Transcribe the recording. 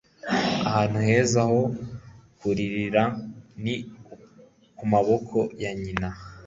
ahantu heza ho kurira ni ku maboko ya nyina